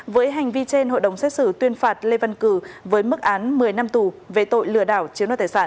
với hành vi trên hội đồng xét xử tuyên phạt lê văn cử với mức án một mươi năm tù về tội lừa đảo chiếm đoạt tài sản